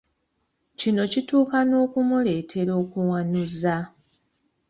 Kino kituuka n’okumuleetera okuwanuuza.